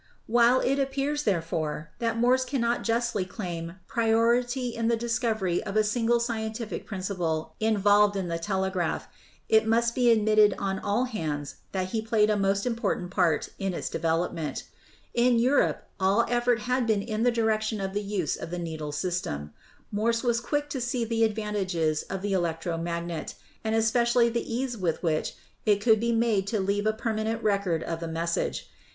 While it appears, therefore, that Morse cannot justly claim priority in the discovery of a single scientific prin ciple involved in the telegraph, it must be admitted on all hands that he played a most important part in its develop ment. In Europe all effort had been in the direction of the use of the needle system. Morse was quick to see the advantages of the electro magnet, and especially the ease with which it could be made to leave a permanent record of the message.